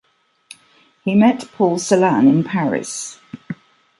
He met Paul Celan in Paris.